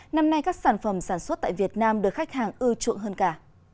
năm nay các sản phẩm sản xuất tại việt nam được khách hàng ưu trụ hơn cả